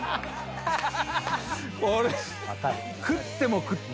これ食っても食っても。